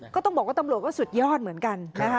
ก็ต้องบอกว่าตำรวจก็สุดยอดเหมือนกันนะคะ